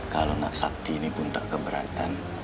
kalau nak sakti ini pun tak keberatan